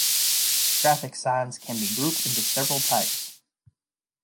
Traffic signs can be grouped into several types.